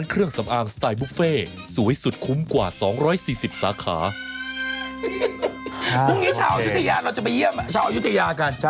ช่วงนี้ชาวอยุธยาเราจะไปเยี่ยมชาวอายุทยากัน